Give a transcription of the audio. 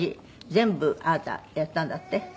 全部あなたやったんだって？